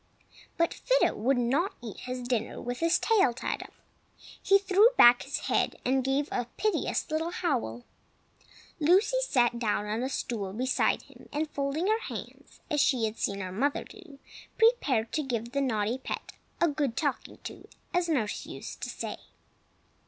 But Fido would not eat his dinner with his tail tied up. He threw back his head, and gave a piteous little howl. Lucy sat down on a stool beside him, and folding her hands, as she had seen her mother do, prepared to give the naughty pet "a good talking to," as nurse used to say.